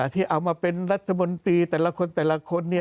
ที่เอามาเป็นรัฐมนตรีแต่ละคนคน